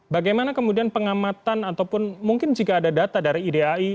bagaimana kemudian pengamatan ataupun mungkin jika ada data dari idai